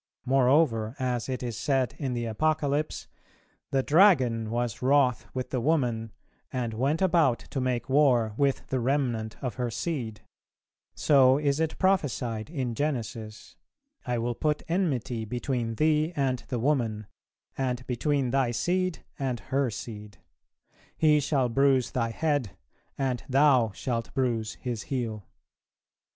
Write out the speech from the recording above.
Moreover, as it is said in the Apocalypse, "The dragon was wroth with the woman, and went about to make war with the remnant of her seed," so is it prophesied in Genesis, "I will put enmity between thee and the woman, and between thy seed and her Seed. He shall bruise thy head, and thou shalt bruise His heel."